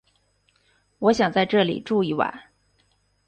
我想在这里住一晚